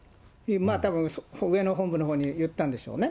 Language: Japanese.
たぶん上の本部のほうにいったんでしょうね。